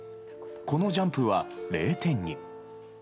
このジャンプは０点に。